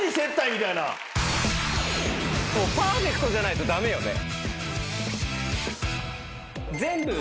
パーフェクトじゃないと駄目よね。